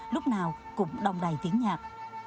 lúc nào cũng đông đầy tiếng nhạc